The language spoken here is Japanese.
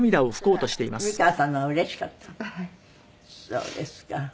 そうですか。